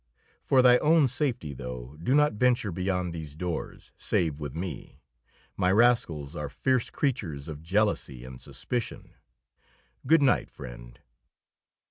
For thy own safety, though, do not venture beyond these doors save with me. My rascals are fierce creatures of jealousy and suspicion. Good night, friend."